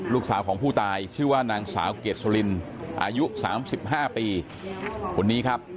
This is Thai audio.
ลูกสาวของผู้ตายชื่อว่านางสาวเกรดสุลินอายุ๓๕ปีคนนี้ครับ